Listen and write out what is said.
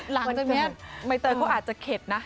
หลังจนแม่เมย์เตอร์เขาอาจจะเข็ดนะ